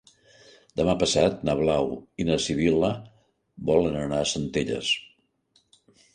Demà passat na Blau i na Sibil·la volen anar a Centelles.